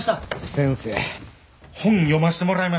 先生台本読ましてもらいました。